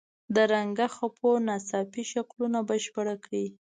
د رنګه خپو ناڅاپي شکلونه بشپړ کړئ.